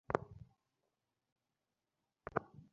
তিনিই তোমাদের প্রতিপালক এবং তাঁরই নিকট তোমরা প্রত্যাবর্তন করবে।